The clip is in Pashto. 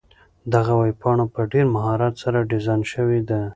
دغه ویبپاڼه په ډېر مهارت سره ډیزاین شوې ده.